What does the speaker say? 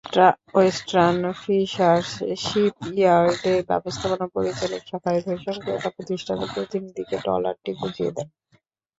Western Fishers শিপইয়ার্ডের ব্যবস্থাপনা পরিচালক সাখাওয়াত হোসেন ক্রেতাপ্রতিষ্ঠানের প্রতিনিধিকে ট্রলারটি বুঝিয়ে দেন।